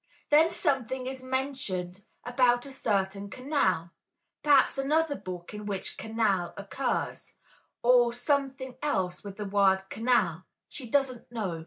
Then something is mentioned about a certain "_'canal,' perhaps another book in which 'canal' occurs, or something else with the word 'canal' ... she doesn't know